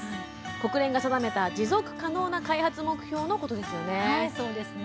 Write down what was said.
国連が定めた持続可能な開発目標のことですよね。